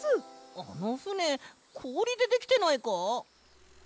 あのふねこおりでできてないか？